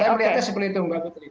saya melihatnya seperti itu mbak putri